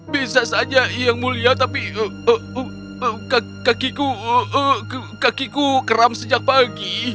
bisa saja yang mulia tapi kakiku keram sejak pagi